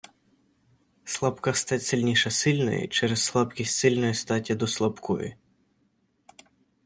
Слабка стать сильніша сильної, через слабкість сильної статі до слабкої!